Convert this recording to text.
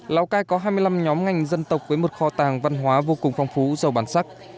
lào cai có hai mươi năm nhóm ngành dân tộc với một kho tàng văn hóa vô cùng phong phú giàu bản sắc